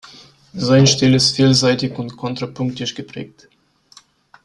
Sein Stil ist vielseitig und kontrapunktisch geprägt.